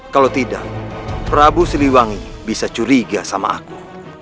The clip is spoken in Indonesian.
kalau tidak prabu siliwangi bisa curiga sama aku